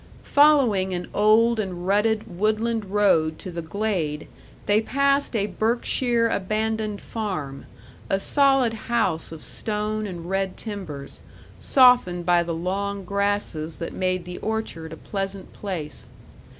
Following an old and rutted woodland road to the Glade, they passed a Berkshire abandoned farm a solid house of stone and red timbers, softened by the long grasses that made the orchard a pleasant place.